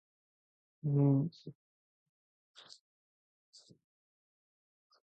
Brexit کے بعد پاکستان برطانیہ کیلئے ملازمتوں کا خلا پر کرسکتا ہے